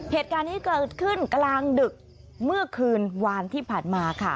เหตุการณ์นี้เกิดขึ้นกลางดึกเมื่อคืนวานที่ผ่านมาค่ะ